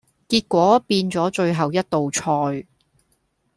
結果變左最後一道菜